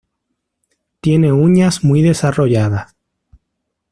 Tiene uñas muy desarrolladas.